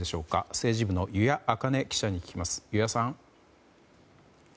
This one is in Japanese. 政治部の湯屋あかね記者に聞きます。